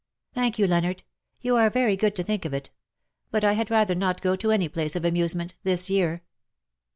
''''" Thank you, Leonard. You are very good to think of it ; but I had rather not go to any place of amusement — this year."